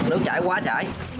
nước chảy quá chảy